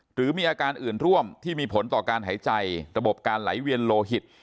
หรือมีอาการอื่นร่วมที่มีผลต่อการหายใจระบบการไหลเวียนโลหิต